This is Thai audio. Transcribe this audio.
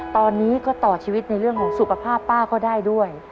ตอนนี้ก็ต่อชีวิตในเรื่องของสุขภาพป้าก็ได้ด้วย